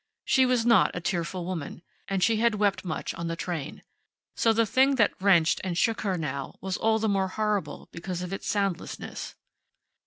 She was not a tearful woman. And she had wept much on the train. So the thing that wrenched and shook her now was all the more horrible because of its soundlessness.